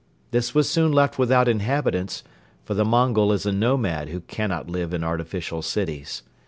This was soon left without inhabitants, for the Mongol is a nomad who cannot live in artificial cities.